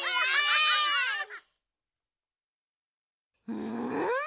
うん？